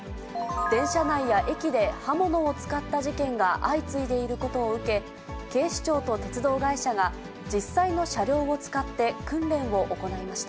電車内や駅で刃物を使った事件が相次いでいることを受け、警視庁と鉄道会社が、実際の車両を使って訓練を行いました。